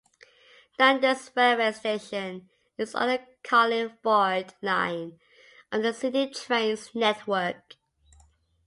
Dundas railway station is on the Carlingford line of the Sydney Trains network.